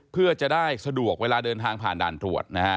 เพื่อจะได้สะดวกเวลาเดินทางผ่านด่านตรวจนะฮะ